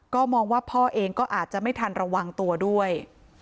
ก็มองว่าพ่อเองก็อาจจะไม่ทันระวังตัวด้วย